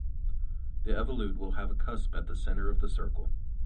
The evolute will have a cusp at the center of the circle.